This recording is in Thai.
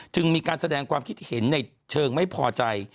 จึงมีการแสดงความคิดเห็นในเชิงไม่พอใจ